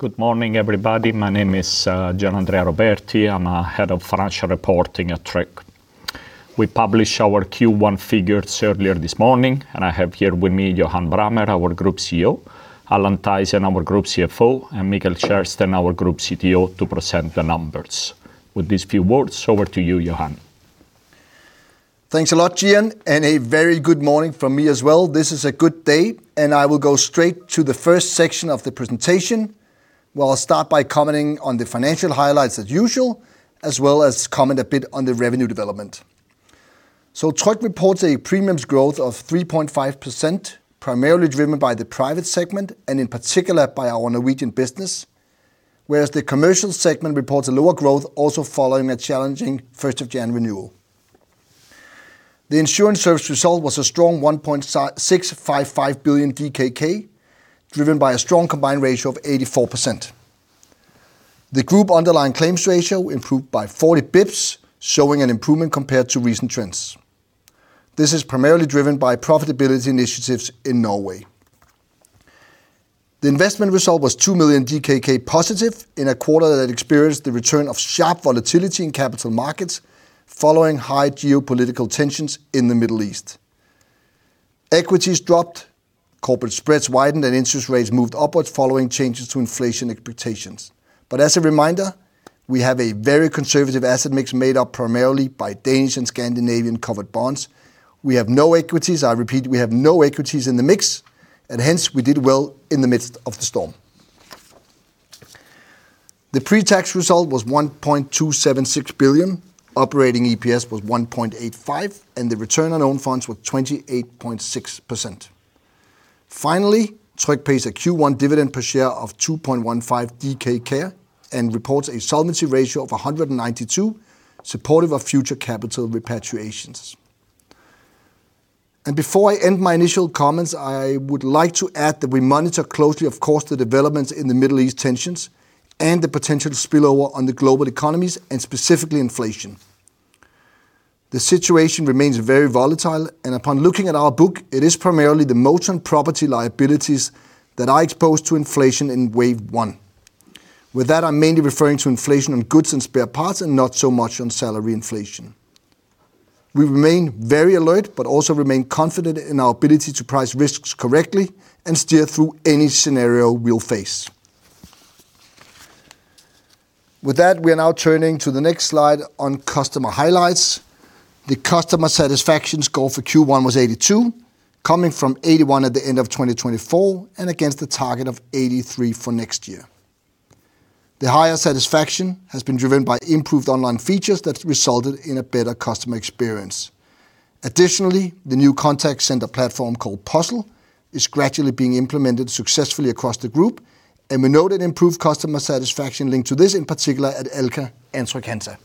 Good morning, everybody. My name is Gianandrea Roberti. I'm Head of Financial Reporting at Tryg. We published our Q1 figures earlier this morning, and I have here with me Johan Brammer, our group CEO, Allan Kragh Thaysen, our group CFO, and Mikael Kärrsten, our group CTO to present the numbers. With these few words, over to you, Johan. Thanks a lot, Gian, and a very good morning from me as well. This is a good day, and I will go straight to the first section of the presentation, where I'll start by commenting on the financial highlights as usual, as well as comment a bit on the revenue development. Tryg reports a premiums growth of 3.5%, primarily driven by the private segment and in particular by our Norwegian business, whereas the commercial segment reports a lower growth, also following a challenging 1st of January renewal. The insurance service result was a strong 1.655 billion DKK, driven by a strong combined ratio of 84%. The group underlying claims ratio improved by 40 basis points, showing an improvement compared to recent trends. This is primarily driven by profitability initiatives in Norway. The investment result was 2 million DKK positive in a quarter that experienced the return of sharp volatility in capital markets following high geopolitical tensions in the Middle East. Equities dropped, corporate spreads widened, and interest rates moved upwards following changes to inflation expectations. As a reminder, we have a very conservative asset mix made up primarily by Danish and Scandinavian covered bonds. We have no equities. I repeat, we have no equities in the mix, and hence we did well in the midst of the storm. The pre-tax result was 1.276 billion. Operating EPS was 1.85, and the return on own funds was 28.6%. Finally, Tryg pays a Q1 dividend per share of 2.15 and reports a solvency ratio of 192%, supportive of future capital repatriations. Before I end my initial comments, I would like to add that we monitor closely of course, the developments in the Middle East tensions and the potential spillover on the global economies and specifically inflation. The situation remains very volatile, and upon looking at our book, it is primarily the motor and property liabilities that are exposed to inflation in wave one. With that, I'm mainly referring to inflation on goods and spare parts and not so much on salary inflation. We remain very alert but also remain confident in our ability to price risks correctly and steer through any scenario we'll face. With that, we are now turning to the next slide on customer highlights. The customer satisfaction score for Q1 was 82, coming from 81 at the end of 2024 and against a target of 83 for next year. The higher satisfaction has been driven by improved online features that resulted in a better customer experience. Additionally, the new contact center platform called [PESTEL] is gradually being implemented successfully across the group, and we note an improved customer satisfaction linked to this, in particular at Alka and Trygg-Hansa.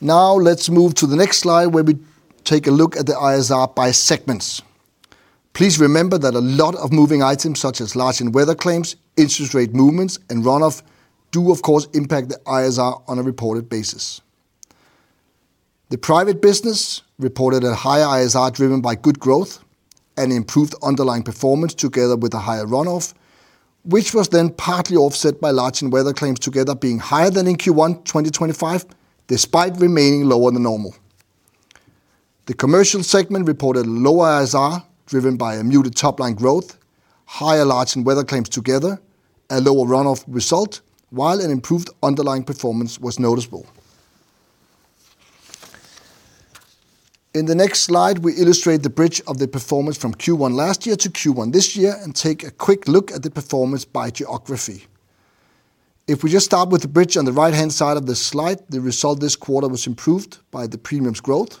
Now let's move to the next slide where we take a look at the ISR by segments. Please remember that a lot of moving items, such as large and weather claims, interest rate movements, and run-off do of course impact the ISR on a reported basis. The private business reported a higher ISR driven by good growth and improved underlying performance together with a higher run-off, which was then partly offset by large and weather claims together being higher than in Q1 2025, despite remaining lower than normal. The commercial segment reported lower ISR driven by a muted top-line growth, higher large and weather claims together, a lower run-off result while an improved underlying performance was noticeable. In the next slide, we illustrate the bridge of the performance from Q1 last year to Q1 this year and take a quick look at the performance by geography. If we just start with the bridge on the right-hand side of the slide, the result this quarter was improved by the premiums growth,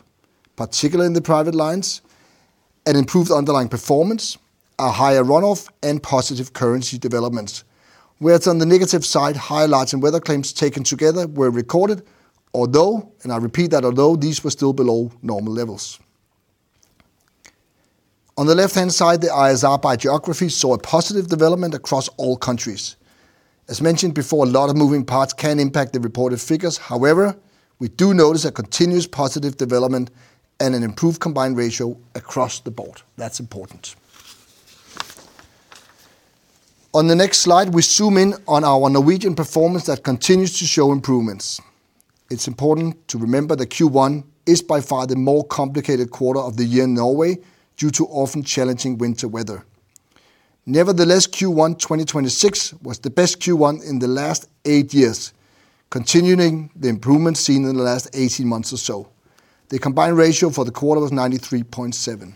particularly in the private lines, an improved underlying performance, a higher run-off, and positive currency developments. Whereas on the negative side, high large and weather claims taken together were recorded, although, and I repeat that although, these were still below normal levels. On the left-hand side, the ISR by geography saw a positive development across all countries. As mentioned before, a lot of moving parts can impact the reported figures. However, we do notice a continuous positive development and an improved combined ratio across the board. That's important. On the next slide, we zoom in on our Norwegian performance that continues to show improvements. It's important to remember that Q1 is by far the more complicated quarter of the year in Norway, due to often challenging winter weather. Nevertheless, Q1 2026 was the best Q1 in the last eight years, continuing the improvement seen in the last 18 months or so. The combined ratio for the quarter was 93.7%.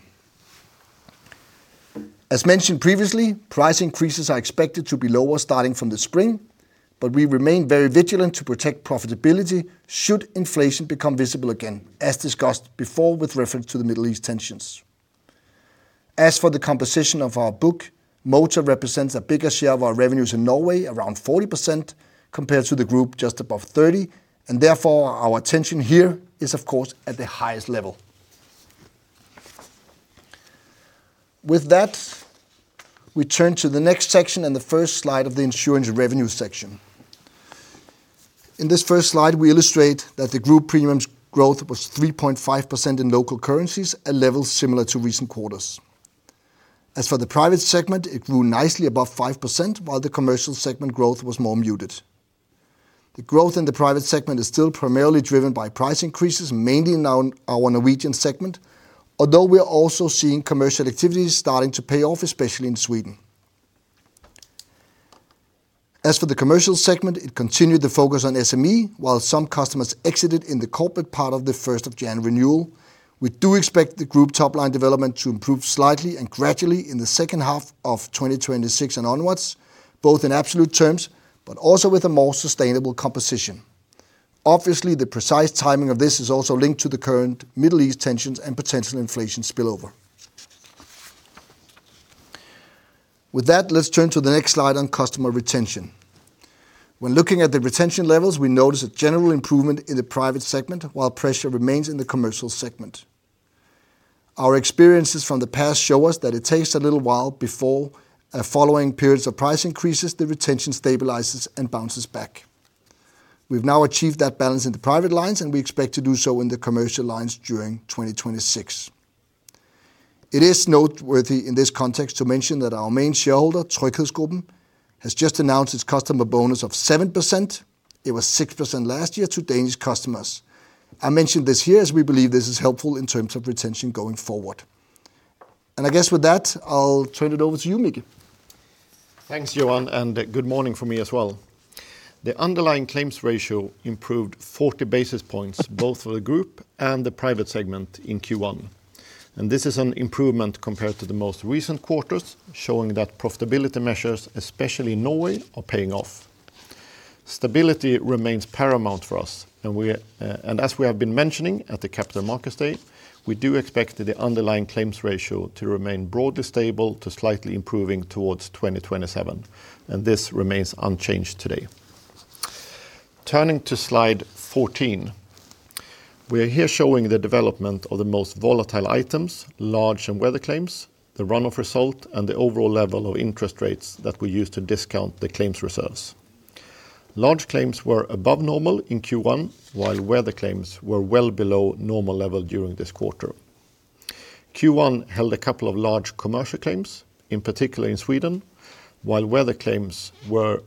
As mentioned previously, price increases are expected to be lower starting from the spring, but we remain very vigilant to protect profitability should inflation become visible again, as discussed before with reference to the Middle East tensions. As for the composition of our book, motor represents a bigger share of our revenues in Norway, around 40%, compared to the group just above 30%, and therefore our attention here is of course at the highest level. With that, we turn to the next section and the first slide of the insurance revenue section. In this first slide, we illustrate that the group premiums growth was 3.5% in local currencies, a level similar to recent quarters. As for the private segment, it grew nicely above 5%, while the commercial segment growth was more muted. The growth in the private segment is still primarily driven by price increases, mainly in our Norwegian segment, although we are also seeing commercial activities starting to pay off, especially in Sweden. As for the commercial segment, it continued the focus on SME, while some customers exited in the corporate part of the first of January renewal. We do expect the group top line development to improve slightly and gradually in the second half of 2026 and onwards, both in absolute terms, but also with a more sustainable composition. Obviously, the precise timing of this is also linked to the current Middle East tensions and potential inflation spillover. With that, let's turn to the next slide on customer retention. When looking at the retention levels, we notice a general improvement in the private segment, while pressure remains in the commercial segment. Our experiences from the past show us that it takes a little while, before following periods of price increases, the retention stabilizes and bounces back. We've now achieved that balance in the private lines, and we expect to do so in the commercial lines during 2026. It is noteworthy in this context to mention that our main shareholder, TryghedsGruppen, has just announced its customer bonus of 7%, it was 6% last year to Danish customers. I mentioned this here, as we believe this is helpful in terms of retention going forward. I guess with that, I'll turn it over to you, Mike. Thanks, Johan and good morning from me as well. The underlying claims ratio improved 40 basis points both for the group and the private segment in Q1. This is an improvement compared to the most recent quarters, showing that profitability measures, especially in Norway, are paying off. Stability remains paramount for us, and as we have been mentioning at the capital market stage, we do expect the underlying claims ratio to remain broadly stable to slightly improving towards 2027. This remains unchanged today. Turning to slide 14. We are here showing the development of the most volatile items, large and weather claims, the run-off result, and the overall level of interest rates that we use to discount the claims reserves. Large claims were above normal in Q1, while weather claims were well below normal level during this quarter. Q1 held a couple of large commercial claims, in particular in Sweden, while weather claims were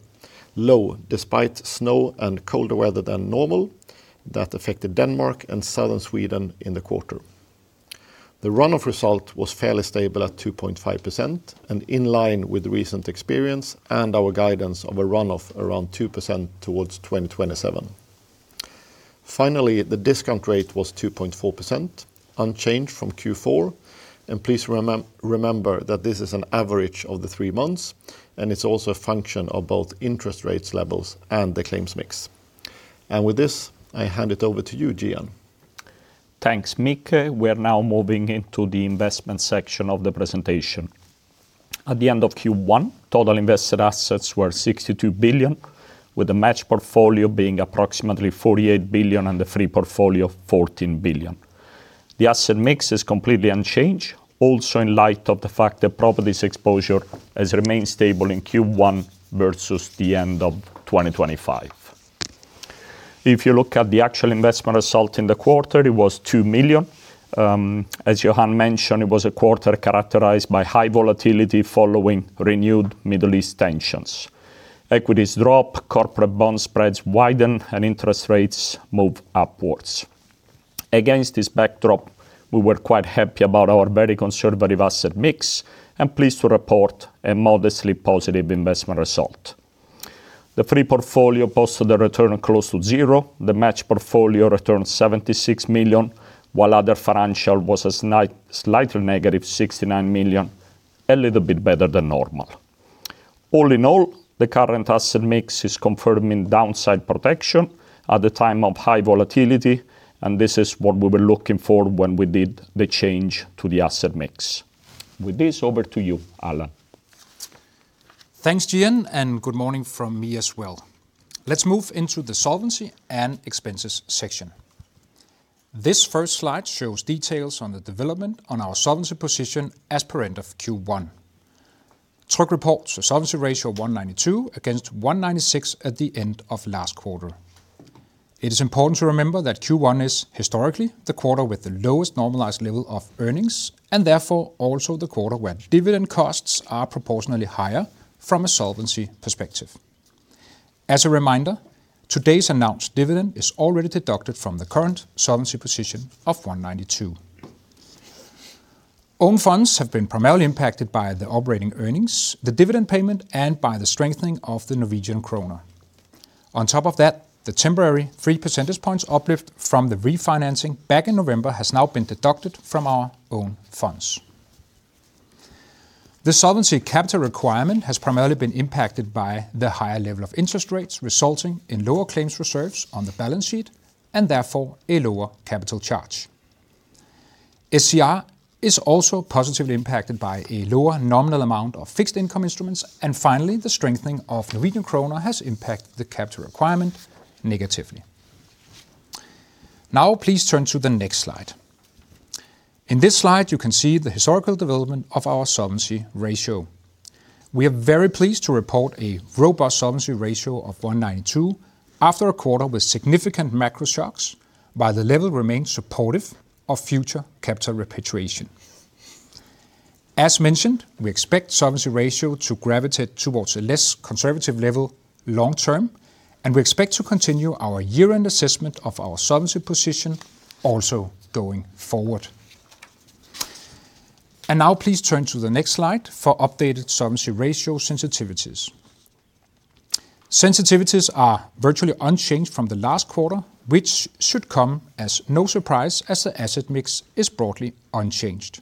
low despite snow and colder weather than normal that affected Denmark and southern Sweden in the quarter. The run-off result was fairly stable at 2.5% and in line with recent experience and our guidance of a run-off around 2% towards 2027. Finally, the discount rate was 2.4%, unchanged from Q4. Please remember that this is an average of the three months, and it's also a function of both interest rates levels and the claims mix. With this, I hand it over to you, Gian. Thanks, Mike. We are now moving into the investment section of the presentation. At the end of Q1, total invested assets were 62 billion, with the match portfolio being approximately 48 billion and the free portfolio of 14 billion. The asset mix is completely unchanged, also in light of the fact that properties exposure has remained stable in Q1 versus the end of 2025. If you look at the actual investment result in the quarter, it was 2 million. As Johan mentioned, it was a quarter characterized by high volatility following renewed Middle East tensions. Equities drop, corporate bond spreads widen, and interest rates move upwards. Against this backdrop, we were quite happy about our very conservative asset mix and pleased to report a modestly positive investment result. The free portfolio posted a return close to zero. The match portfolio returned 76 million, while other financial was a slightly negative 69 million, a little bit better than normal. All in all, the current asset mix is confirming downside protection at the time of high volatility, and this is what we were looking for when we did the change to the asset mix. With this, over to you, Allan. Thanks, Gian, and good morning from me as well. Let's move into the solvency and expenses section. This first slide shows details on the development on our solvency position as per end of Q1. Tryg reports a solvency ratio of 192% against 196% at the end of last quarter. It is important to remember that Q1 is historically the quarter with the lowest normalized level of earnings, and therefore also the quarter when dividend costs are proportionally higher from a solvency perspective. As a reminder, today's announced dividend is already deducted from the current solvency position of 192%. Own funds have been primarily impacted by the operating earnings, the dividend payment, and by the strengthening of the Norwegian kroner. On top of that, the temporary three percentage points uplift from the refinancing back in November has now been deducted from our own funds. The solvency capital requirement has primarily been impacted by the higher level of interest rates, resulting in lower claims reserves on the balance sheet and therefore a lower capital charge. SCR is also positively impacted by a lower nominal amount of fixed income instruments. Finally, the strengthening of Norwegian kroner has impacted the capital requirement negatively. Now please turn to the next slide. In this slide, you can see the historical development of our solvency ratio. We are very pleased to report a robust solvency ratio of one, 92 after a quarter with significant macro shocks, while the level remains supportive of future capital repatriation. As mentioned, we expect solvency ratio to gravitate towards a less conservative level long term, and we expect to continue our year-end assessment of our solvency position also going forward. And now please turn to the next slide for updated solvency ratio sensitivities. Sensitivities are virtually unchanged from the last quarter, which should come as no surprise as the asset mix is broadly unchanged.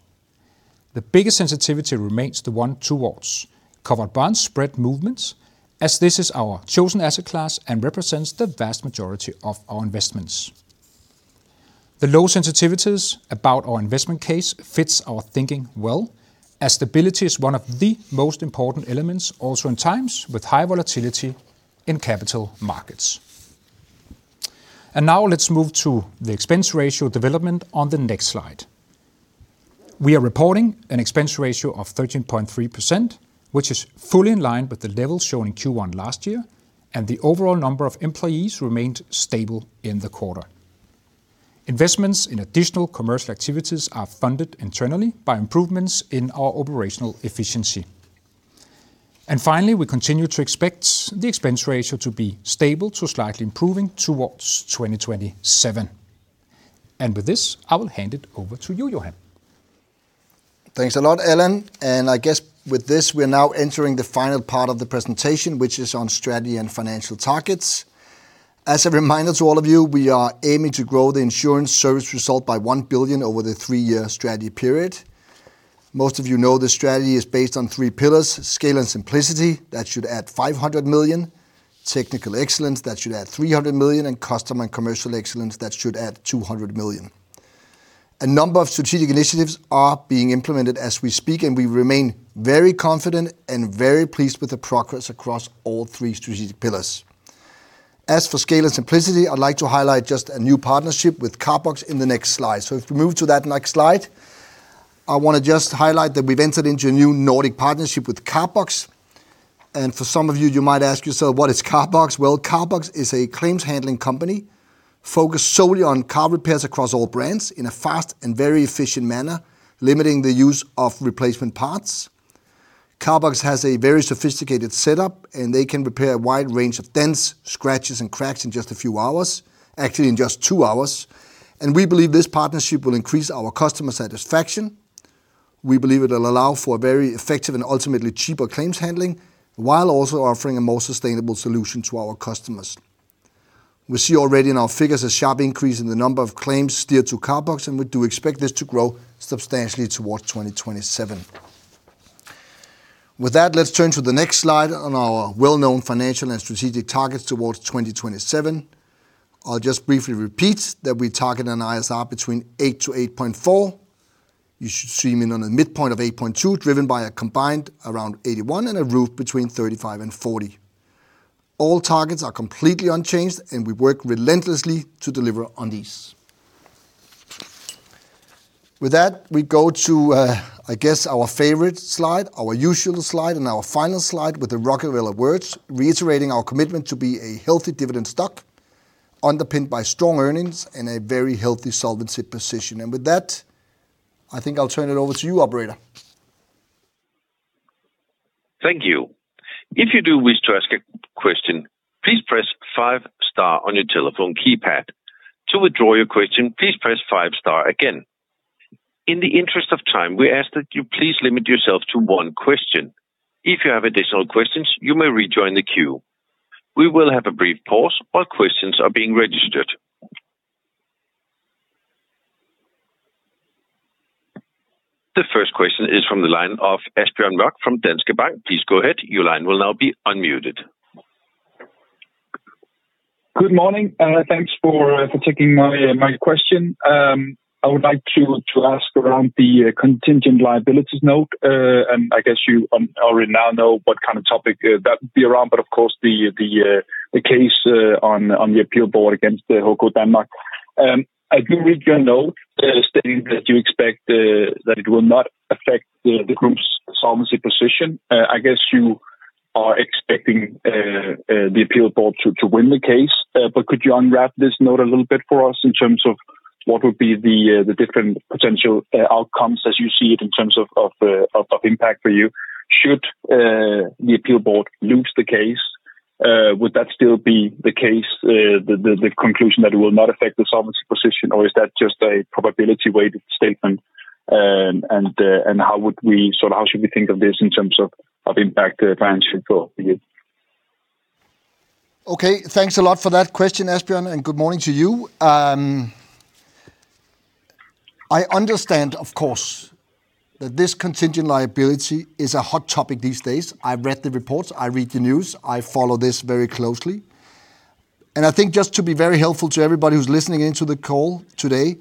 The biggest sensitivity remains the one towards covered bond spread movements, as this is our chosen asset class and represents the vast majority of our investments. The low sensitivities about our investment case fits our thinking well, as stability is one of the most important elements also in times, with high volatility in capital markets. Now let's move to the expense ratio development on the next slide. We are reporting an expense ratio of 13.3%, which is fully in line with the level shown in Q1 last year, and the overall number of employees remained stable in the quarter. Investments in additional commercial activities are funded internally by improvements in our operational efficiency. Finally, we continue to expect the expense ratio to be stable to slightly improving towards 2027. With this, I will hand it over to you, Johan. Thanks a lot, Allan. I guess with this, we are now entering the final part of the presentation, which is on strategy and financial targets. As a reminder to all of you, we are aiming to grow the insurance service result by 1 billion over the three-year strategy period. Most of you know the strategy is based on three pillars, Scale and Simplicity, that should add 500 million, Technical Excellence, that should add 300 million, and Customer and Commercial Excellence, that should add 200 million. A number of strategic initiatives are being implemented as we speak, and we remain very confident and very pleased with the progress across all three strategic pillars. As for Scale and Simplicity, I'd like to highlight just a new partnership with Carbox in the next slide. If we move to that next slide, I want to just highlight that we've entered into a new Nordic partnership with Carbox. For some of you might ask yourself, what is Carbox? Well, Carbox is a claims handling company focused solely on car repairs across all brands in a fast and very efficient manner, limiting the use of replacement parts. Carbox has a very sophisticated setup, and they can repair a wide range of dents, scratches, and cracks in just a few hours, actually in just two hours. We believe this partnership will increase our customer satisfaction. We believe it'll allow for very effective and ultimately cheaper claims handling, while also offering a more sustainable solution to our customers. We see already in our figures a sharp increase in the number of claims steered to Carbox, and we do expect this to grow substantially towards 2027. With that, let's turn to the next slide on our well-known financial and strategic targets towards 2027. I'll just briefly repeat that we target an ISR between 8-8.4. You should see them on a midpoint of 8.2, driven by a combined around 81% and a ROE between 35% and 40%. All targets are completely unchanged, and we work relentlessly to deliver on these. With that, we go to our favorite slide, our usual slide, and our final slide with the Rockefeller words, reiterating our commitment to be a healthy dividend stock, underpinned by strong earnings and a very healthy solvency position. With that, I think I'll turn it over to you, operator. Thank you. If you do wish to ask a question, please press five star on your telephone keypad. To withdraw your question, please press five star again. In the interest of time, we ask that you please limit yourself to one question. If you have additional questions, you may rejoin the queue. We will have a brief pause while questions are being registered. The first question is from the line of Asbjørn Mørk from Danske Bank. Please go ahead, your line will now be unmuted. Good morning. Thanks for taking my question. I would like to ask around the contingent liabilities note. I guess you already now know what kind of topic that would be around, but of course the case on the appeal board against the Codan Denmark. I did read your note stating that you expect that it will not affect the group's solvency position. I guess you are expecting the appeal board to win the case. Could you unwrap this note a little bit for us in terms of what would be the different potential outcomes as you see it in terms of impact for you? Should the appeal board lose the case, would that still be the case, the conclusion that it will not affect the solvency position or is that just a probability weighted statement, and how should we think of this in terms of impact financially for you? Okay, thanks a lot for that question, Asbjørn, and good morning to you. I understand of course, that this contingent liability is a hot topic these days. I read the reports. I read the news. I follow this very closely. I think just to be very helpful to everybody who's listening into the call today,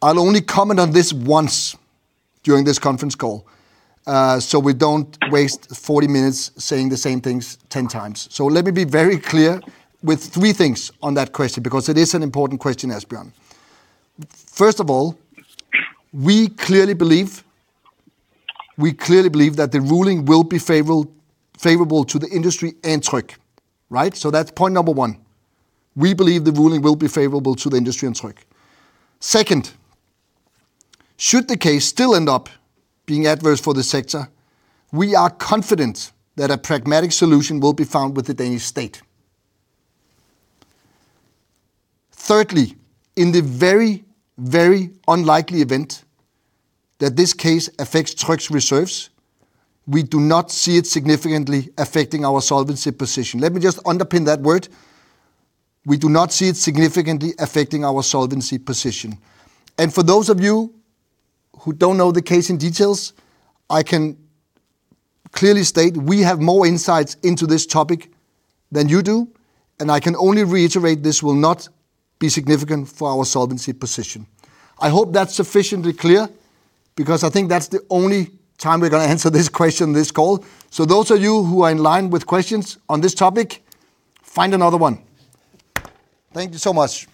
I'll only comment on this once during this conference call, so we don't waste 40 minutes saying the same things 10 times. Let me be very clear with three things on that question, because it is an important question, Asbjørn. First of all, we clearly believe that the ruling will be favorable to the industry and Tryg. That's point number one. We believe the ruling will be favorable to the industry and Tryg. Second, should the case still end up being adverse for the sector, we are confident that a pragmatic solution will be found with the Danish state. Thirdly, in the very unlikely event that this case affects Tryg's reserves, we do not see it significantly affecting our solvency position. Let me just underpin that word. We do not see it significantly affecting our solvency position. For those of you who don't know the case in details, I can clearly state we have more insights into this topic than you do, and I can only reiterate this will not be significant for our solvency position. I hope that's sufficiently clear because I think that's the only time we're going to answer this question in this call. Those of you who are in line with questions on this topic, find another one. Thank you so much.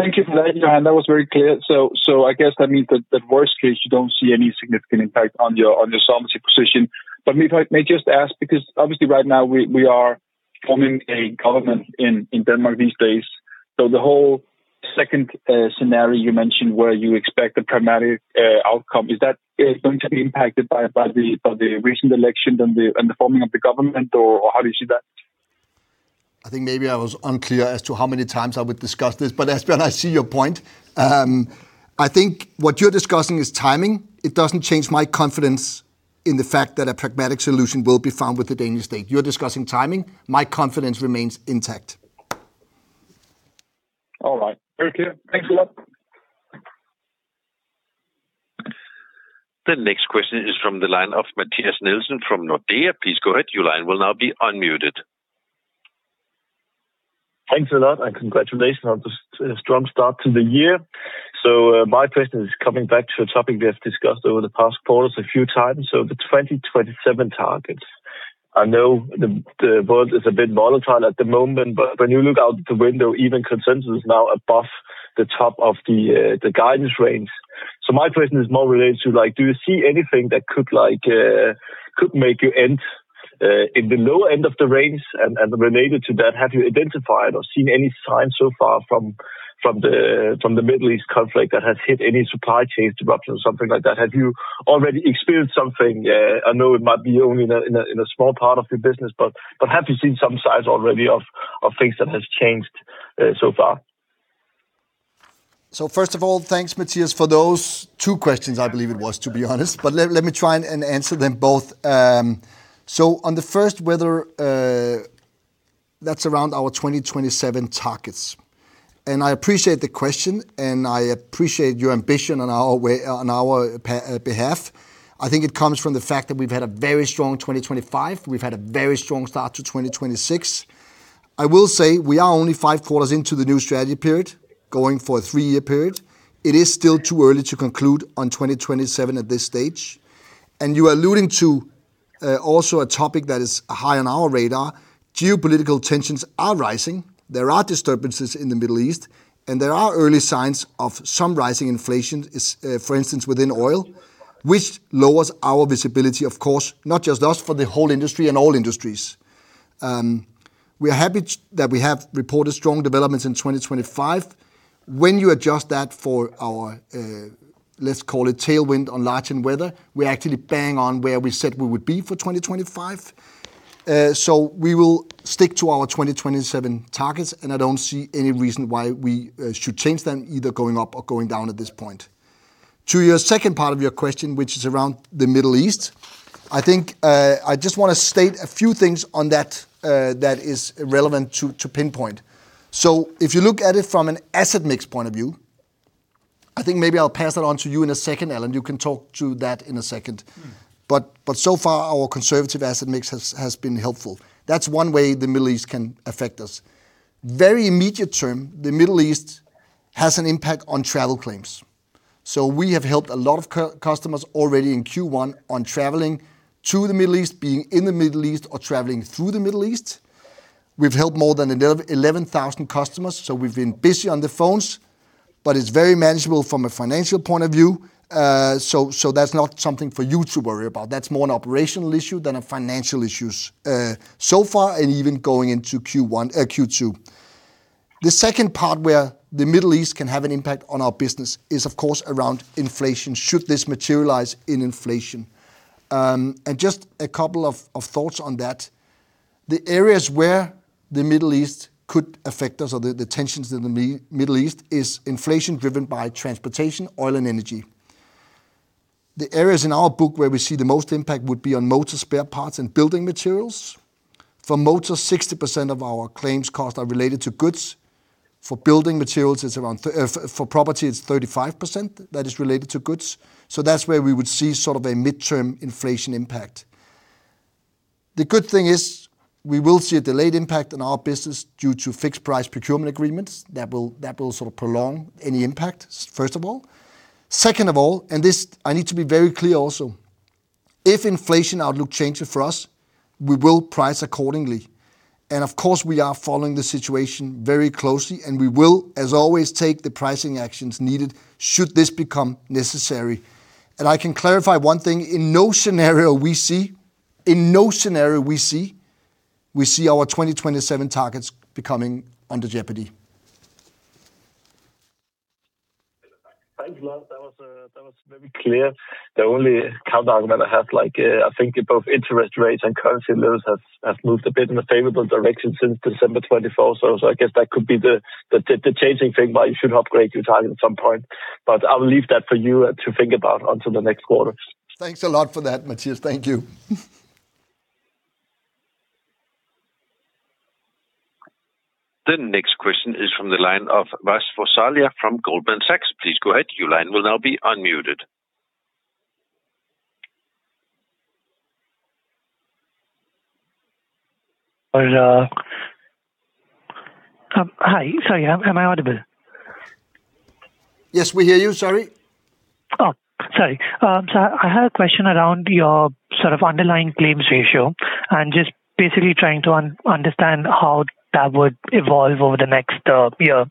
Thank you for that, Johan. That was very clear. I guess that means that the worst case, you don't see any significant impact on your solvency position. If I may just ask, because obviously right now we are forming a government in Denmark these days, the whole second scenario you mentioned where you expect a pragmatic outcome, is that going to be impacted by the recent election and the forming of the government, or how do you see that? I think maybe I was unclear as to how many times I would discuss this, but Asbjørn Mørk, I see your point. I think what you're discussing is timing. It doesn't change my confidence in the fact that a pragmatic solution will be found with the Danish state. You're discussing timing. My confidence remains intact. All right. Very clear. Thanks a lot. The next question is from the line of Mathias Nielsen from Nordea. Please go ahead, your line will now be opened. Thanks a lot, and congratulations on the strong start to the year. My question is coming back to a topic we have discussed over the past quarters a few times, the 2027 targets. I know the world is a bit volatile at the moment, but when you look out the window, even consensus is now above the top of the guidance range. My question is more related to do you see anything that could make you end in the low end of the range? Related to that, have you identified or seen any signs so far from the Middle East conflict that has hit any supply chains disruption or something like that? Have you already experienced something? I know it might be only in a small part of your business, but have you seen some signs already of things that have changed so far? First of all, thanks, Mathias, for those two questions I believe it was, to be honest. Let me try and answer them both. On the first, whether that's around our 2027 targets, and I appreciate the question and I appreciate your ambition on our behalf. I think it comes from the fact that we've had a very strong 2025. We've had a very strong start to 2026. I will say we are only five quarters into the new strategy period, going for a three-year period. It is still too early to conclude on 2027 at this stage. You are alluding to also a topic that is high on our radar, geopolitical tensions are rising. There are disturbances in the Middle East, and there are early signs of some rising inflation, for instance, within oil, which lowers our visibility of course, not just us, for the whole industry and all industries. We are happy that we have reported strong developments in 2025. When you adjust that for our, let's call it tailwind on large and weather, we're actually bang on where we said we would be for 2025. We will stick to our 2027 targets, and I don't see any reason why we should change them either going up or going down at this point. To your second part of your question, which is around the Middle East, I think I just want to state a few things on that is relevant to pinpoint. If you look at it from an asset mix point of view, I think maybe I'll pass that on to you in a second, Allan. You can talk to that in a second. So far, our conservative asset mix has been helpful. That's one way the Middle East can affect us. Very immediate term, the Middle East has an impact on travel claims. We have helped a lot of customers already in Q1 on traveling to the Middle East, being in the Middle East or traveling through the Middle East. We've helped more than 11,000 customers, so we've been busy on the phones, but it's very manageable from a financial point of view. That's not something for you to worry about. That's more an operational issue than a financial issue so far, and even going into Q2. The second part where the Middle East can have an impact on our business is of course, around inflation should this materialize in inflation. Just a couple of thoughts on that. The areas where the Middle East could affect us or the tensions in the Middle East is inflation driven by transportation, oil, and energy. The areas in our book where we see the most impact would be on motor spare parts and building materials. For motor, 60% of our claims costs are related to goods. For building materials, for property, it's 35% that is related to goods. That's where we would see sort of a midterm inflation impact. The good thing is we will see a delayed impact on our business due to fixed price procurement agreements that will sort of prolong any impact, first of all. Second of all, and this I need to be very clear also, if inflation outlook changes for us, we will price accordingly. Of course, we are following the situation very closely, and we will as always, take the pricing actions needed should this become necessary. I can clarify one thing, in no scenario we see our 2027 targets becoming under jeopardy. Thanks a lot. That was very clear. The only counterargument I have like, I think both interest rates and currency levels have moved a bit in a favorable direction since December 2024. I guess that could be the changing thing why you should upgrade your target at some point. I will leave that for you to think about until the next quarter. Thanks a lot for that, Mathias. Thank you. The next question is from the line of Vrish Musalia from Goldman Sachs. Please go ahead, your line will now be opened. Hi. Sorry, am I audible? Yes, we hear you. Sorry. Oh, sorry. I had a question around your sort of underlying claims ratio, and just basically trying to understand how that would evolve over the next year.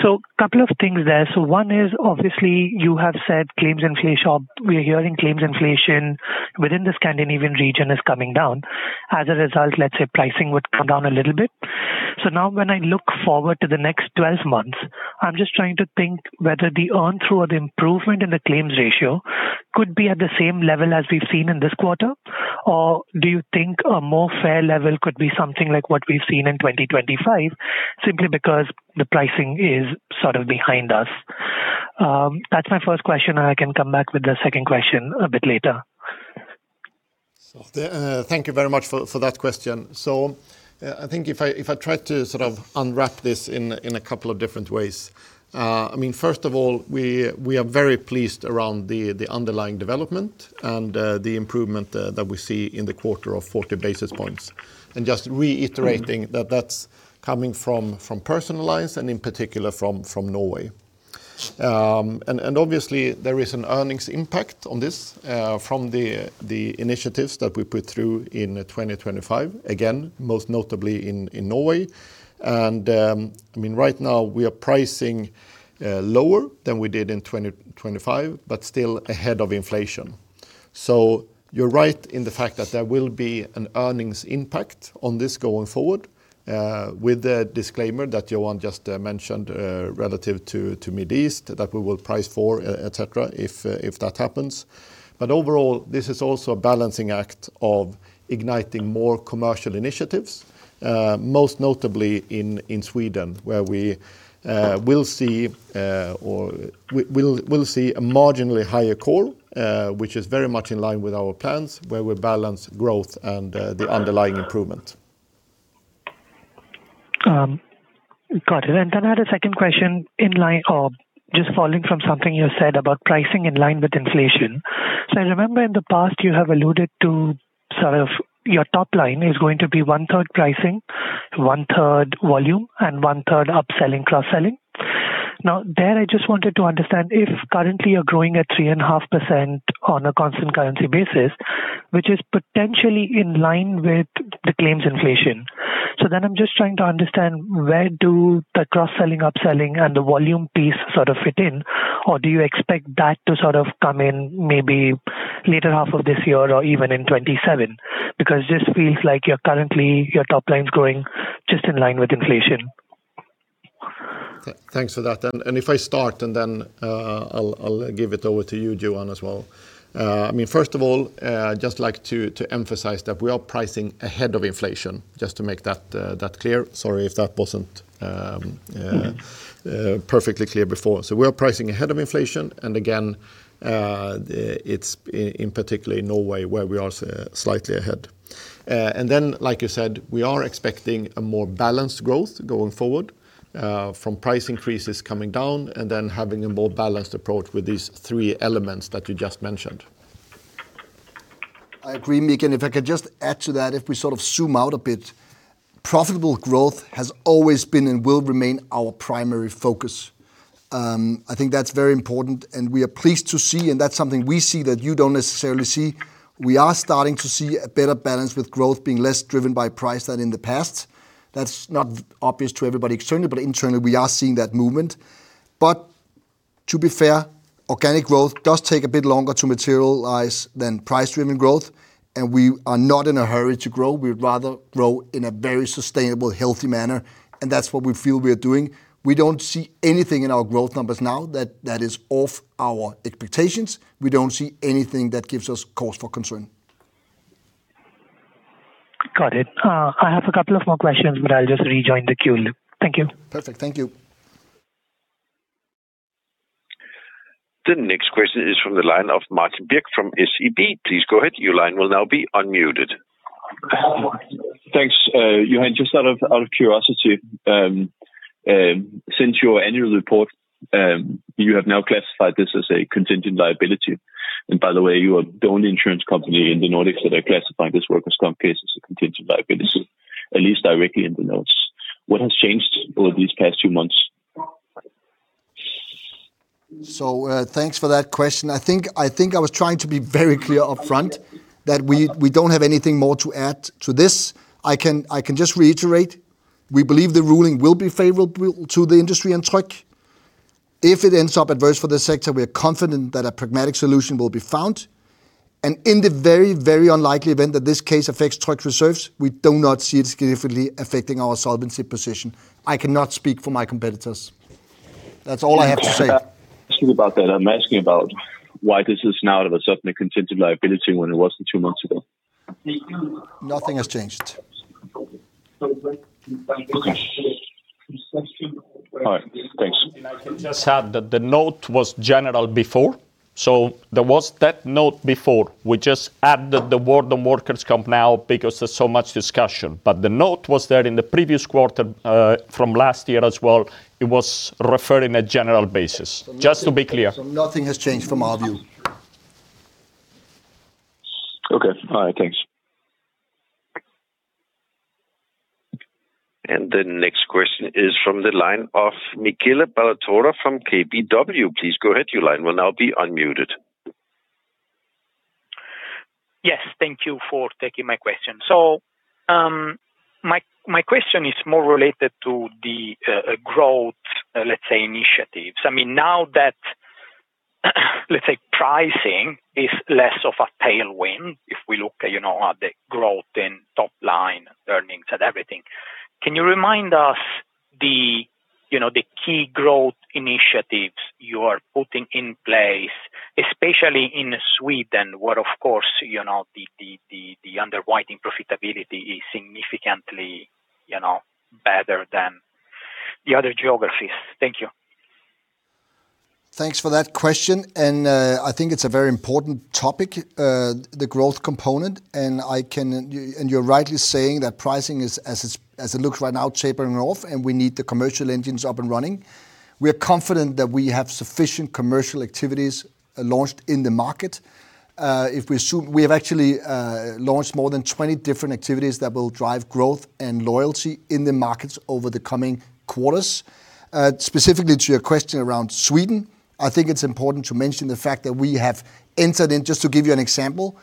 A couple of things there. One is obviously you have said claims inflation. We are hearing claims inflation within the Scandinavian region is coming down. As a result, let's say pricing would come down a little bit. Now when I look forward to the next 12 months, I'm just trying to think whether the earn through or the improvement in the claims ratio could be at the same level as we've seen in this quarter. Do you think a more fair level could be something like what we've seen in 2025, simply because the pricing is sort of behind us? That's my first question, and I can come back with the second question a bit later. Thank you very much for that question. I think if I try to sort of unwrap this in a couple of different ways. First of all, we are very pleased around the underlying development and the improvement that we see in the quarter of 40 basis points. Just reiterating that that's coming from personal lines and in particular from Norway. Obviously, there is an earnings impact on this from the initiatives that we put through in 2025, again, most notably in Norway. Right now we are pricing lower than we did in 2025, but still ahead of inflation. You're right in the fact that there will be an earnings impact on this going forward, with the disclaimer that Johan just mentioned, relative to Mid East that we will price for etc, if that happens. Overall, this is also a balancing act of igniting more commercial initiatives, most notably in Sweden, where we will see a marginally higher core, which is very much in line with our plans, where we balance growth and the underlying improvement. Got it. I had a second question in line of just following from something you said about pricing in line with inflation. I remember in the past you have alluded to, sort of your top line is going to be 1/3 pricing, 1/3 volume, and 1/3 upselling, cross-selling. Now, there I just wanted to understand if currently you're growing at 3.5% on a constant currency basis, which is potentially in line with the claims inflation. I'm just trying to understand where do the cross-selling, upselling, and the volume piece sort of fit in, or do you expect that to sort of come in maybe later half of this year or even in 2027? Because it just feels like currently your top line's growing just in line with inflation. Thanks for that. If I start and then I'll give it over to you, Johan, as well. First of all, I'd just like to emphasize that we are pricing ahead of inflation, just to make that clear. Sorry if that wasn't perfectly clear before. We are pricing ahead of inflation, and again, it's in particular in Norway where we are slightly ahead. Like you said, we are expecting a more balanced growth going forward from price increases coming down and then having a more balanced approach with these three elements that you just mentioned. I agree, Mikael. If I could just add to that, if we sort of zoom out a bit, profitable growth has always been and will remain our primary focus. I think that's very important and we are pleased to see, and that's something we see that you don't necessarily see. We are starting to see a better balance with growth being less driven by price than in the past. That's not obvious to everybody externally, but internally we are seeing that movement. To be fair, organic growth does take a bit longer to materialize than price-driven growth, and we are not in a hurry to grow. We'd rather grow in a very sustainable, healthy manner, and that's what we feel we are doing. We don't see anything in our growth numbers now that is off our expectations. We don't see anything that gives us cause for concern. Got it. I have a couple of more questions, but I'll just rejoin the queue. Thank you. Perfect. Thank you. The next question is from the line of Martin Birk from SEB. Please go ahead, your line will now be opened. Thanks, Johan. Just out of curiosity, since your annual report, you have now classified this as a contingent liability. By the way, you are the only insurance company in the Nordics that are classifying this workers' comp case as a contingent liability, at least directly in the notes. What has changed over these past two months? Thanks for that question. I think I was trying to be very clear upfront that we don't have anything more to add to this. I can just reiterate, we believe the ruling will be favorable to the industry in Tryg. If it ends up adverse for the sector, we are confident that a pragmatic solution will be found. In the very, very unlikely event that this case affects Tryg reserves, we do not see it significantly affecting our solvency position. I cannot speak for my competitors. That's all I have to say. I'm not asking about that. I'm asking about why this is now all of a sudden a contingent liability when it wasn't two months ago. Nothing has changed. Okay. All right. Thanks. I can just add that the note was general before, so there was that note before. We just added the word on workers' comp now because there's so much discussion. The note was there in the previous quarter, from last year as well. It was referred in a general basis. Just to be clear. Nothing has changed from our view. Okay. All right. Thanks. The next question is from the line of Michele Ballatore from KBW. Please go ahead, your line will now be unmuted. Yes. Thank you for taking my question. My question is more related to the growth, let's say, initiatives. I mean, now that, let's say, pricing is less of a tailwind if we look at the growth in top-line earnings and everything, can you remind us the key growth initiatives you are putting in place, especially in Sweden, where of course, the underwriting profitability is significantly better than the other geographies? Thank you. Thanks for that question, and I think it's a very important topic, the growth component. You're rightly saying that pricing as it looks right now, tapering off, and we need the commercial engines up and running. We are confident that we have sufficient commercial activities launched in the market. We have actually launched more than 20 different activities that will drive growth, and loyalty in the markets over the coming quarters. Specifically to your question around Sweden, I think it's important to mention the fact that we have entered in. Just to give you an example,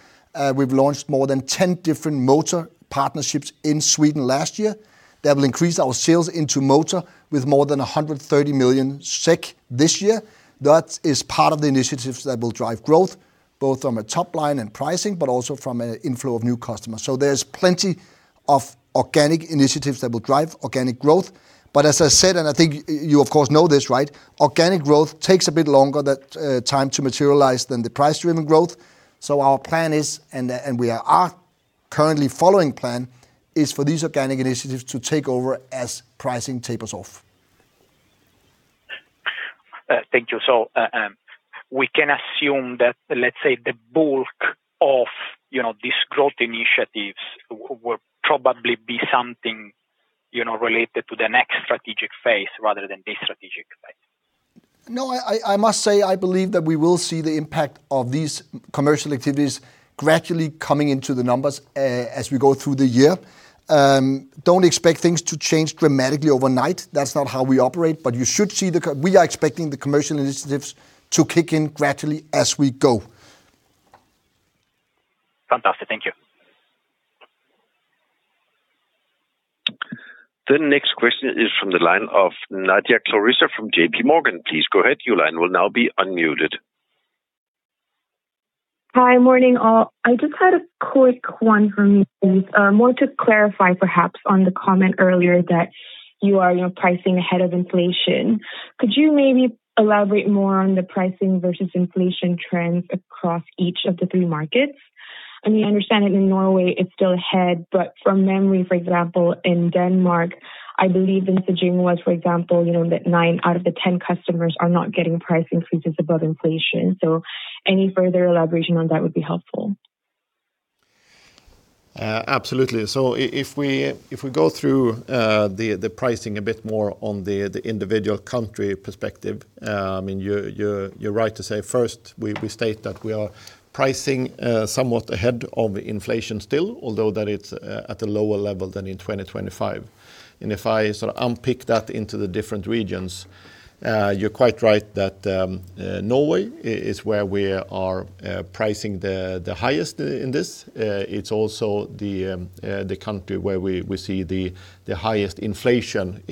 we've launched more than 10 different motor partnerships in Sweden last year, that will increase our sales into motor with more than 130 million SEK this year. That is part of the initiatives that will drive growth, both from a top line and pricing, but also from an inflow of new customers. There's plenty of organic initiatives that will drive organic growth. As I said, and I think you of course know this, right, organic growth takes a bit longer that time to materialize than the price-driven growth. Our plan is, and we are currently following plan, is for these organic initiatives to take over as pricing tapers off. Thank you. We can assume that, let's say, the bulk of these growth initiatives will probably be something related to the next strategic phase rather than this strategic phase? No, I must say, I believe that we will see the impact of these commercial activities gradually coming into the numbers as we go through the year. Don't expect things to change dramatically overnight. That's not how we operate. We are expecting the commercial initiatives to kick in gradually as we go. Fantastic. Thank you. The next question is from the line of Nadia Claressa from JPMorgan. Please go ahead, your line will now be unmuted. Hi. Morning, all. I just had a quick one for me, please, more to clarify, perhaps, on the comment earlier that you are pricing ahead of inflation. Could you maybe elaborate more on the pricing versus inflation trends across each of the three markets? I understand that in Norway it's still ahead, but from memory, for example, in Denmark, I believe the messaging was, for example, that nine out of the 10 customers are not getting price increases above inflation. Any further elaboration on that would be helpful. Absolutely. If we go through the pricing a bit more on the individual country perspective, you're right to say first, we state that we are pricing somewhat ahead of inflation still, although that it's at a lower level than in 2025. If I sort of unpick that into the different regions, you're quite right that Norway is where we are pricing the highest in this. It's also the country where we see the highest inflation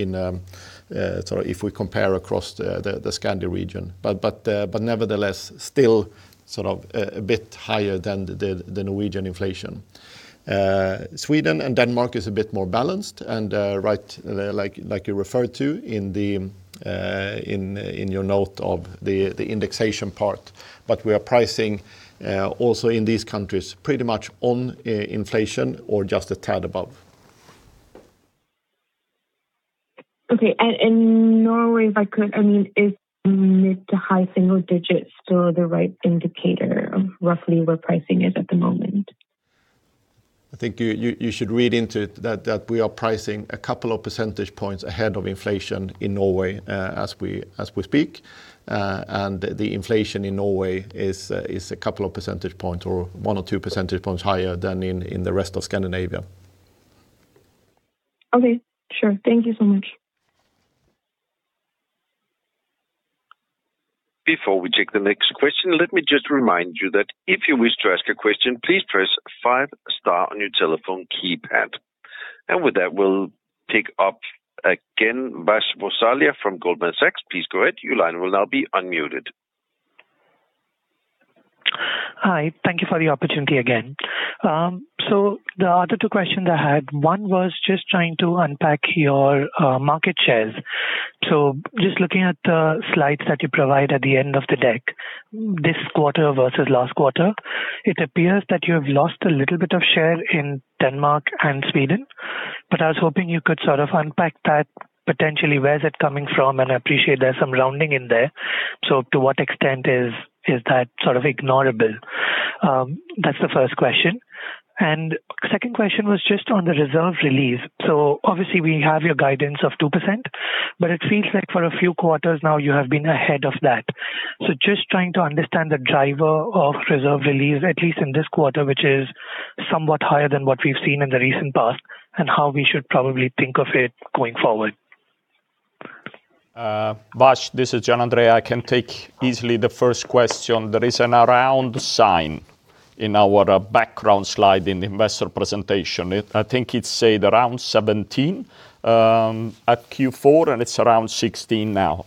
if we compare across the Scandi region. Nevertheless, still sort of a bit higher than the Norwegian inflation. Sweden and Denmark is a bit more balanced, and like you referred to in your note of the indexation part. We are pricing, also in these countries, pretty much on inflation or just a tad above. Okay. In Norway, if I could, is mid to high single digits still the right indicator of roughly where pricing is at the moment? I think you should read into it that we are pricing a couple of percentage points ahead of inflation in Norway as we speak. The inflation in Norway is a couple of percentage points or one or two percentage points higher than in the rest of Scandinavia. Okay, sure. Thank you so much. Before we take the next question, let me just remind you that if you wish to ask a question, please press five star on your telephone keypad. With that, we'll pick up again. Vrish Musalia from Goldman Sachs, please go ahead, your line will now be unmuted. Hi, thank you for the opportunity again. The other two questions I had, one was just trying to unpack your market shares. Just looking at the slides that you provide at the end of the deck, this quarter versus last quarter, it appears that you have lost a little bit of share in Denmark and Sweden. I was hoping you could sort of unpack that potentially where is it coming from, and I appreciate there's some rounding in there. To what extent is that sort of ignorable? That's the first question. Second question was just on the reserve release. Obviously we have your guidance of 2%, but it seems like for a few quarters now you have been ahead of that. Just trying to understand the driver of reserve release, at least in this quarter, which is somewhat higher than what we've seen in the recent past, and how we should probably think of it going forward. Vrish Musalia, this is Gianandrea Roberti. I can take easily the first question. There is an around sign in our background slide in the investor presentation. I think it say around 17% at Q4, and it's around 16% now.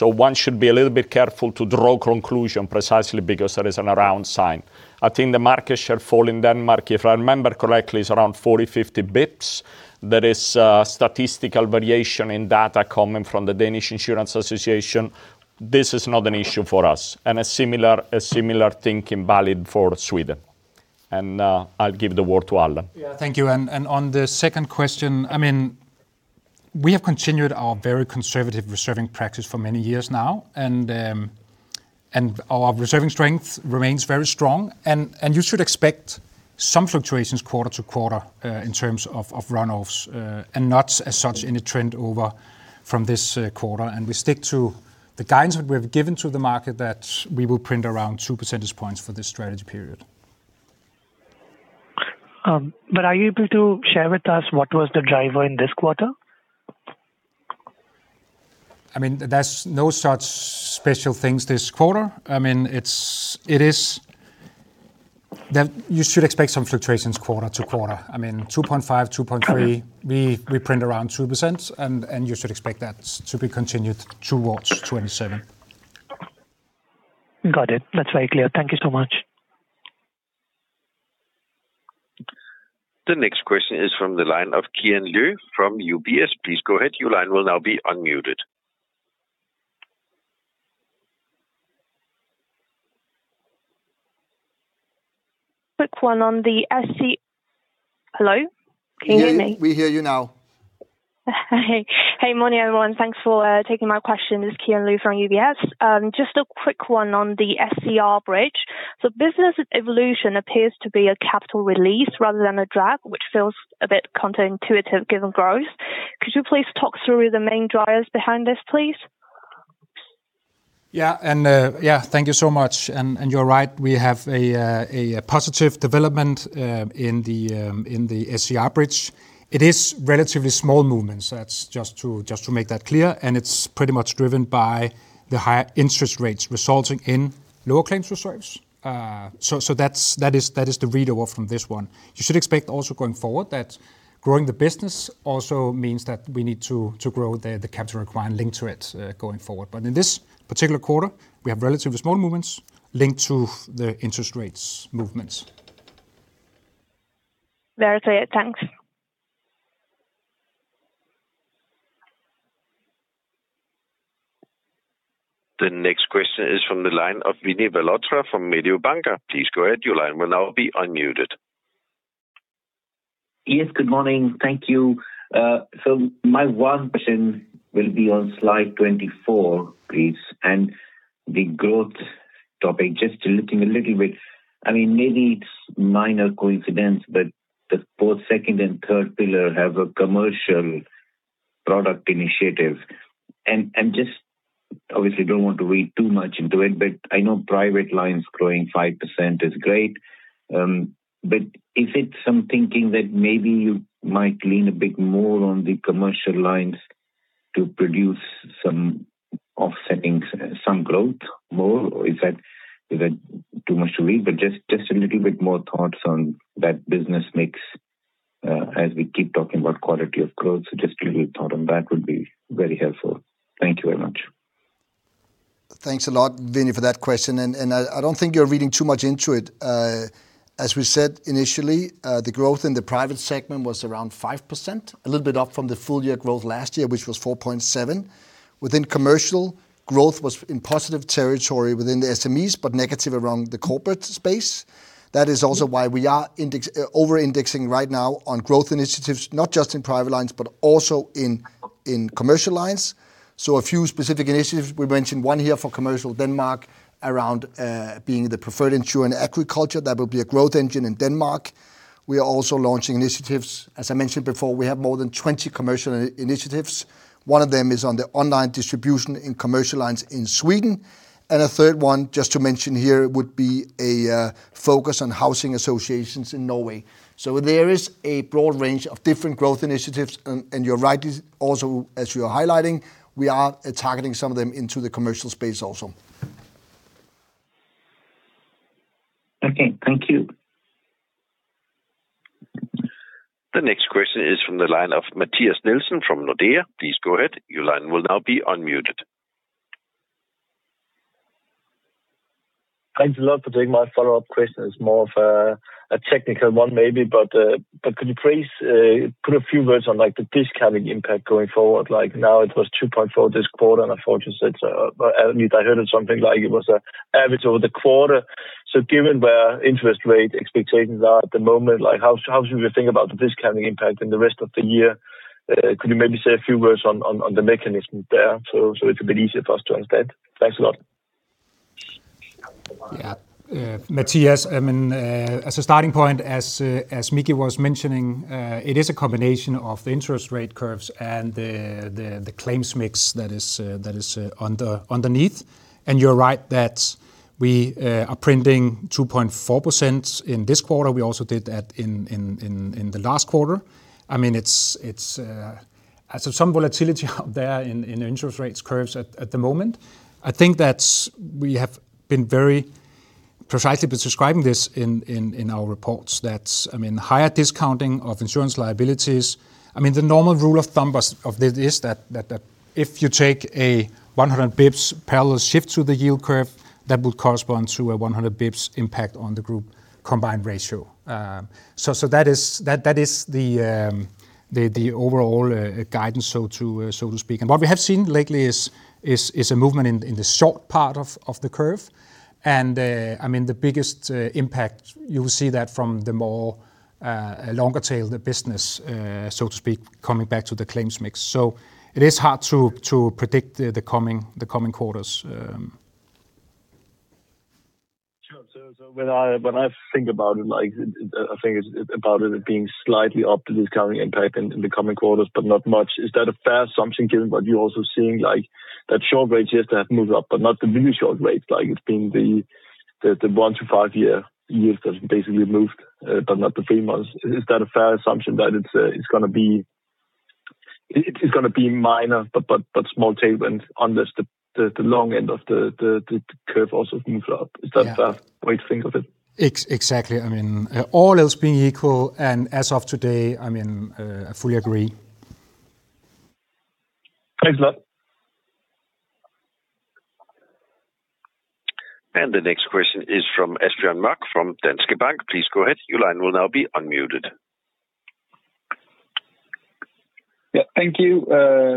One should be a little bit careful to draw conclusion precisely because there is an around sign. I think the market share fall in Denmark, if I remember correctly, is around 40 basis points-50 basis points. That is statistical variation in data coming from the Danish Insurance Association. This is not an issue for us. A similar thing is valid for Sweden. I'll give the word to Allan. Yeah, thank you. On the second question, we have continued our very conservative reserving practice for many years now. Our reserving strength remains very strong, and you should expect some fluctuations quarter-to-quarter in terms of run-offs, and not as such any trend over from this quarter. We stick to the guidance that we've given to the market that we will print around two percentage points for this strategy period. Are you able to share with us what was the driver in this quarter? There's no such special things this quarter. You should expect some fluctuations quarter-to-quarter. I mean, 2.5%, 2.3%, we print around 2%, and you should expect that to be continued towards 2027. Got it. That's very clear. Thank you so much. The next question is from the line of Qian Lu from UBS. Please go ahead, your line will now be opened. Quick one on the SCR. Hello, can you hear me? We hear you now. Hey, morning, everyone. Thanks for taking my question. This is Qian Lu from UBS. Just a quick one on the SCR bridge. Business evolution appears to be a capital release rather than a drag, which feels a bit counterintuitive given growth. Could you please talk through the main drivers behind this, please? Yeah. Thank you so much. You're right, we have a positive development in the SCR bridge. It is relatively small movements. That's just to make that clear, and it's pretty much driven by the higher interest rates resulting in lower claims reserves. That is the read off from this one. You should expect also going forward that growing the business also means that we need to grow the capital requirement linked to it going forward. In this particular quarter, we have relatively small movements linked to the interest rates movements. Very clear. Thanks. The next question is from the line of Vinit Malhotra from Mediobanca. Please go ahead, your line will now be opened. Good morning. Thank you. My one question will be on slide 24, please, and the growth topic, just looking a little bit, maybe it's minor coincidence, but both second and third pillar have a commercial product initiatives. I just obviously don't want to read too much into it, but I know private lines growing 5% is great. Is it some thinking that maybe you might lean a bit more on the commercial lines to produce some offsetting, some growth more? Is that too much to read? Just a little bit more thoughts on that business mix as we keep talking about quality of growth. Just a little thought on that would be very helpful. Thank you very much. Thanks a lot, Vinit, for that question. I don't think you're reading too much into it. As we said initially, the growth in the private segment was around 5%, a little bit up from the full-year growth last year, which was 4.7%. Within commercial, growth was in positive territory within the SMEs, but negative around the corporate space. That is also why we are over-indexing right now on growth initiatives, not just in private lines, but also in commercial lines. A few specific initiatives, we mentioned one here for commercial Denmark around being the preferred insurer in agriculture. That will be a growth engine in Denmark. We are also launching initiatives. As I mentioned before, we have more than 20 commercial initiatives. One of them is on the online distribution in commercial lines in Sweden. A third one, just to mention here, would be a focus on housing associations in Norway. There is a broad range of different growth initiatives. You're right, also as you're highlighting, we are targeting some of them into the commercial space also.. Okay, thank you. The next question is from the line of Mathias Nielsen from Nordea. Please go ahead, your line will now be unmute. Thanks a lot. Patrick, my follow-up question is more of a technical one maybe, but could you please put a few words on the discounting impact going forward? Now it was 2.40% this quarter, and at fortune, at least I heard it something like it was an average over the quarter. Given where interest rate expectations are at the moment, how should we think about the discounting impact in the rest of the year? Could you maybe say a few words on the mechanism there so it's a bit easier for us to understand? Thanks a lot. Yeah. Mathias, as a starting point, as Mikael Kärrsten was mentioning, it is a combination of the interest rate curves and the claims mix that is underneath. You're right that we are printing 2.4% in this quarter. We also did that in the last quarter. Some volatility out there in interest rates curves at the moment. I think that we have been very precisely been describing this in our reports. That's higher discounting of insurance liabilities. The normal rule of thumb is that if you take a 100 basis points parallel shift to the yield curve, that will correspond to a 100 basis points impact on the group combined ratio. That is the overall guidance, so to speak. What we have seen lately is a movement in the short part of the curve. The biggest impact, you will see that from the more longer tail the business, so to speak, coming back to the claims mix. It is hard to predict the coming quarters. Sure. When I think about it, I think about it being slightly up to this current impact in the coming quarters, but not much. Is that a fair assumption given what you're also seeing, that short rates, yes, they have moved up, but not the really short rates? It's been the one year to five year that's basically moved, but not the three months. Is that a fair assumption that it's going to be minor, but small tailwind unless the long end of the curve also moves up? Yeah. Is that a fair way to think of it? Exactly. All else being equal and as of today, I fully agree. Thanks a lot. The next question is from Asbjørn Mørk from Danske Bank. Please go ahead, your line will now be unmuted. Yeah, thank you.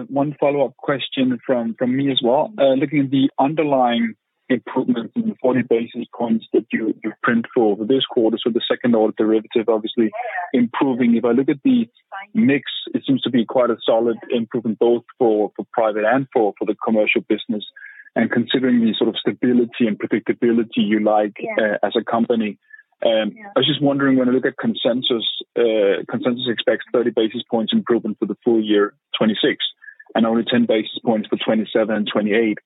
One follow-up question from me as well. Looking at the underlying improvement in the 40 basis points that you've printed for this quarter, the second-order derivative obviously improving. If I look at the mix, it seems to be quite a solid improvement both for private and for the commercial business. Considering the sort of stability and predictability you like as a company, I was just wondering, when I look at consensus expects 30 basis points improvement for the full year 2026, and only 10 basis points for 2027 and 2028.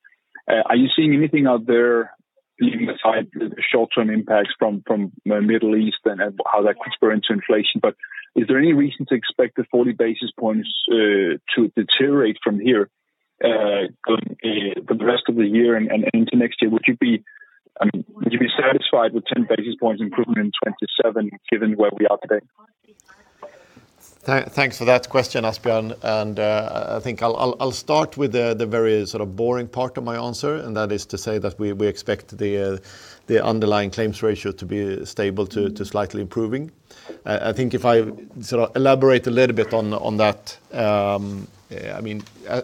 Are you seeing anything out there, leaving aside the short-term impacts from Middle East and how that could spur into inflation, but is there any reason to expect the 40 basis points to deteriorate from here for the rest of the year and into next year? Would you be satisfied with 10 basis points improvement in 2027, given where we are today? Thanks for that question, Asbjørn. I think I'll start with the very boring part of my answer, and that is to say that we expect the underlying claims ratio to be stable to slightly improving. I think if I elaborate a little bit on that,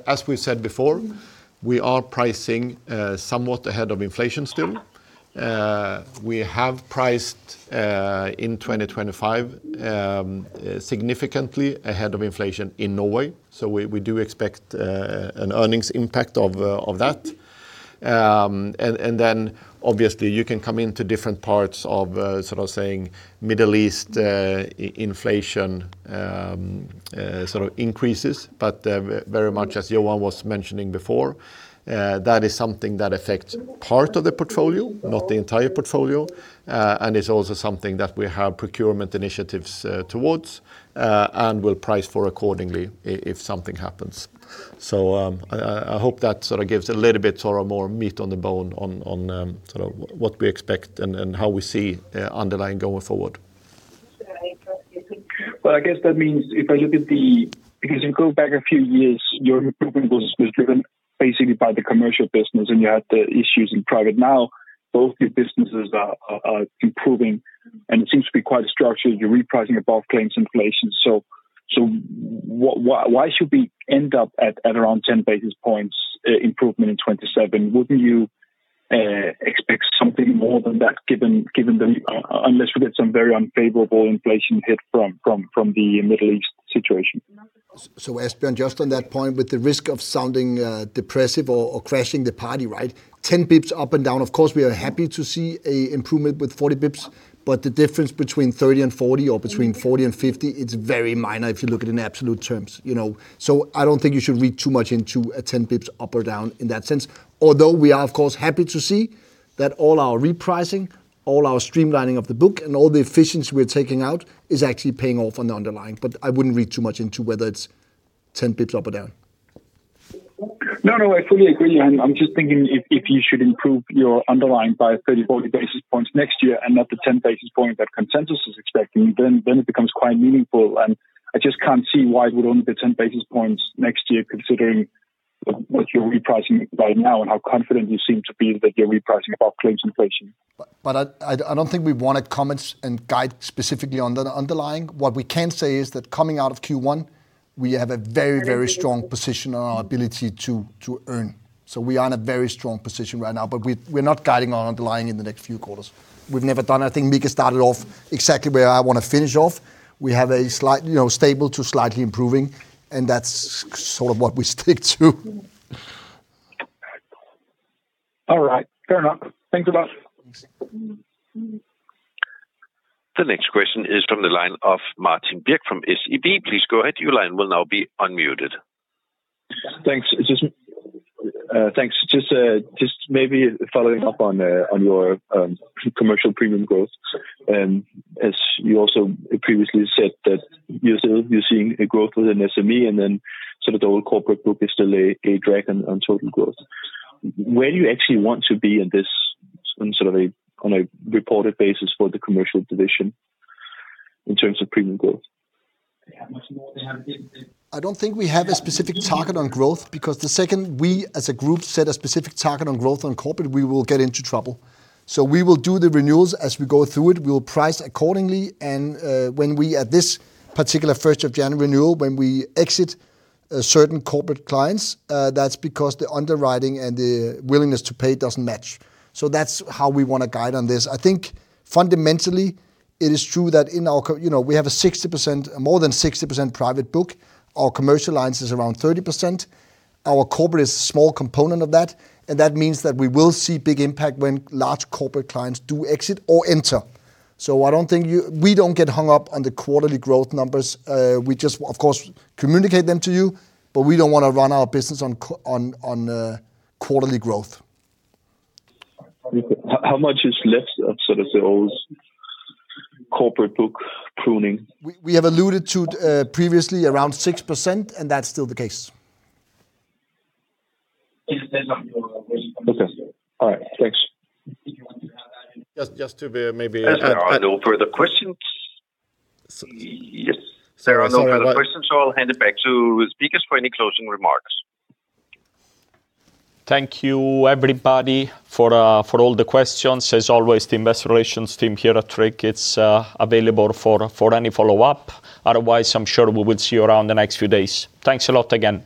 as we've said before, we are pricing somewhat ahead of inflation still. We have priced in 2025, significantly ahead of inflation in Norway. We do expect an earnings impact of that. Obviously, you can come into different parts of medical inflation increases, but very much as Johan was mentioning before, that is something that affects part of the portfolio, not the entire portfolio. It's also something that we have procurement initiatives towards, and will price for accordingly if something happens. I hope that gives a little bit more meat on the bone on what we expect, and how we see underlying going forward. Well, I guess that means, because if you go back a few years, your improvement was driven basically by the commercial business, and you had the issues in private. Now both your businesses are improving, and it seems to be quite structured. You're repricing above claims inflation. Why should we end up at around 10 basis points improvement in 2027? Wouldn't you expect something more than that, unless we get some very unfavorable inflation hit from the Middle East situation? Asbjørn, just on that point, with the risk of sounding depressive or crashing the party, right? 10 basis points up and down. Of course, we are happy to see an improvement with 40 basis points, but the difference between 30 and 40 or between 40 and 50, it's very minor if you look at it in absolute terms. I don't think you should read too much into 10 basis points up or down in that sense. Although we are, of course, happy to see that all our repricing, all our streamlining of the book, and all the efficiency we're taking out is actually paying off on the underlying, I wouldn't read too much into whether it's 10 basis points up or down. No, I fully agree. I'm just thinking if you should improve your underlying by 30 basis points-40 basis points next year and not the 10 basis points that consensus is expecting, then it becomes quite meaningful. I just can't see why it would only be 10 basis points next year, considering what you're repricing by now and how confident you seem to be that you're repricing above claims inflation. I don't think we wanted comments and guide specifically on the underlying. What we can say is that coming out of Q1, we have a very strong position on our ability to earn. We are in a very strong position right now, but we're not guiding on underlying in the next few quarters. We've never done, I think Micke started off exactly where I want to finish off. We have a stable to slightly improving, and that's sort of what we stick to. All right, fair enough. Thanks a lot. The next question is from the line of Martin Gregers Birk from SEB. Please go ahead, your line will now be unmuted. Thanks. Just maybe following up on your commercial premium growth. As you also previously said that you're still seeing a growth within SME and then sort of the whole corporate group is still a drag on total growth, where do you actually want to be in this on sort of a reported basis for the commercial division in terms of premium growth? I don't think we have a specific target on growth because the second we as a group set a specific target on growth on corporate, we will get into trouble. We will do the renewals as we go through it. We will price accordingly and when we at this particular 1st of January renewal, when we exit certain corporate clients, that's because the underwriting and the willingness to pay doesn't match. That's how we want to guide on this. I think fundamentally it is true that we have more than 60% private book. Our commercial lines is around 30%. Our corporate is a small component of that, and that means that we will see big impact when large corporate clients do exit or enter. I don't think we don't get hung up on the quarterly growth numbers. We just of course, communicate them to you, but we don't want to run our business on quarterly growth. How much is left of sort of the old corporate book pruning? We have alluded to previously around 6%, and that's still the case. Okay, all right, thanks. There are no further questions. Yes. There are no further questions, so I'll hand it back to speakers for any closing remarks. Thank you, everybody for all the questions. As always, the investor relations team here at Tryg is available for any follow-up. Otherwise, I'm sure we will see you around the next few days. Thanks a lot again.